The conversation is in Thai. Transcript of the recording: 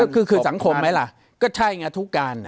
คือสังคมไหมล่ะก็ใช่ไงทุกการ